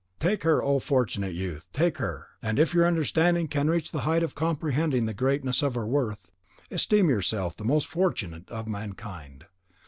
"Take her, O fortunate youth, take her; and if your understanding can reach the height of comprehending the greatness of her worth, esteem yourself the most fortunate of mankind.